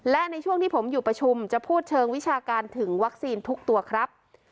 และในช่วงที่ผมอยู่ประชุมจะพูดเชิงวิชาการถึงวัคซีนทุกตัวครับ